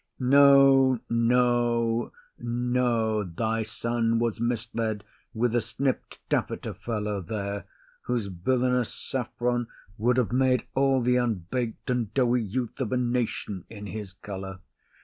No, no, no, your son was misled with a snipt taffeta fellow there, whose villanous saffron would have made all the unbak'd and doughy youth of a nation in his colour.